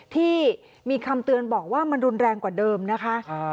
ที่มีคำเตือนบอกว่ามันรุนแรงกว่าเดิมนะคะ